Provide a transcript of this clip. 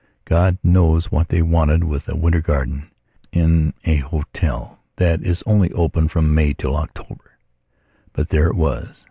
God knows what they wanted with a winter garden in an hotel that is only open from May till October. But there it was.